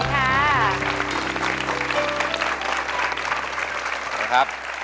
สวัสดีค่ะ